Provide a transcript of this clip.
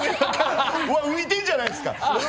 浮いてんじゃないですか！